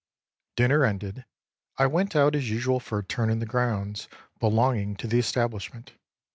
Dinner ended, I went out as usual for a turn in the grounds belonging to the establishment.